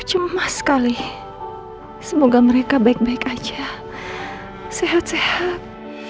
cemas sekali semoga mereka baik baik aja sehat sehat